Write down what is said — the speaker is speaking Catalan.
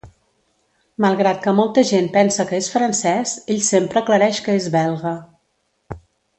Malgrat que molta gent pensa que és francès, ell sempre aclareix que és belga.